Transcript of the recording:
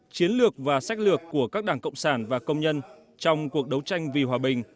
chiến lược và sách lược của các đảng cộng sản và công nhân trong cuộc đấu tranh vì hòa bình